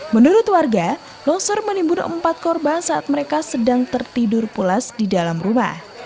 menurut warga longsor menimbun empat korban saat mereka sedang tertidur pulas di dalam rumah